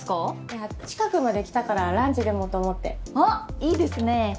いや近くまで来たからランチでもと思ってあっいいですね